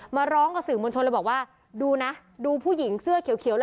มาร้องกับสื่อมื้อว่าดูนะดูผู้หญิงเสื้อเขียวเขียว